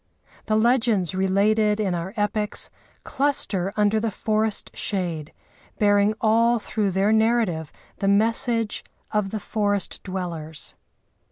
The legends related in our epics cluster under the forest shade bearing all through their narrative the message of the forest dwellers.